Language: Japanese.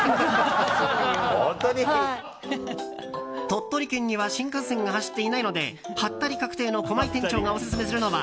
鳥取県には新幹線が走っていないのでハッタリ確定の駒井店長がオススメするのは